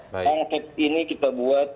bang ini kita buat